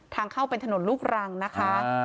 ทางเข้าเป็นถนนลูกรังนะคะ